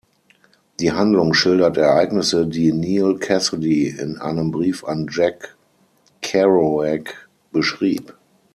Die Handlung schildert Ereignisse, die Neal Cassady in einem Brief an Jack Kerouac beschrieb.